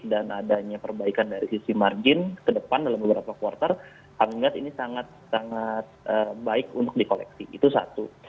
adanya perbaikan dari sisi margin ke depan dalam beberapa quarter kami melihat ini sangat sangat baik untuk di koleksi itu satu